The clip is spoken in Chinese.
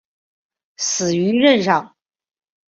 死于任上。